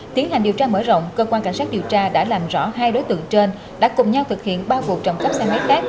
tiến hành điều tra mở rộng cơ quan cảnh sát điều tra đã làm rõ hai đối tượng trên đã cùng nhau thực hiện ba vụ trộm cắp xe máy khác